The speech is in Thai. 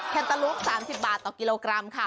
แนเตอร์ลูป๓๐บาทต่อกิโลกรัมค่ะ